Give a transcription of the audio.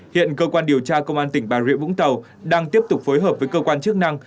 hiện cơ quan điều tra công an tỉnh bà rịa vũng tàu đang tiếp tục phối hợp với cơ quan chức năng